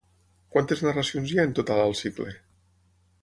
Quantes narracions hi ha en total al cicle?